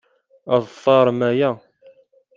Ad tarem aya.